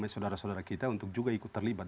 saudara saudara kita untuk juga ikut terlibat